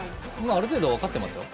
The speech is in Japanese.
ある程度、分かってますよ。